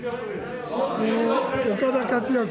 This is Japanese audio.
岡田克也君。